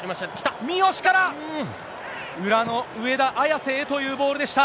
三好から、裏の上田綺世へというボールでした。